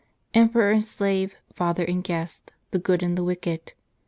Emperor and slave, father and guest, the good and the wicked.